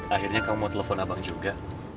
akhirnya kamu mau telepon abang juga